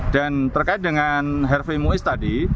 dan terkait dengan harvey mois tadi